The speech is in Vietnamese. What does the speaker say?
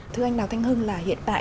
thưa anh đào thanh hưng là hiện tại